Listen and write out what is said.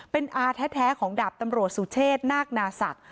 เป็นอาแท้ของดาบตำรวจสุเชษนาคนาศักดิ